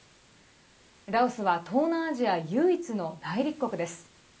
ラオスは東南アジア唯一の内陸国です。